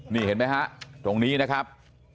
นี่เห็นไหมฮะตรงนี้นะครับ